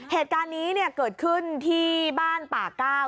เหตุการณ์นี้เกิดขึ้นที่บ้านป่าก้าว